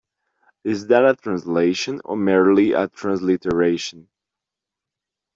Is that a translation, or merely a transliteration?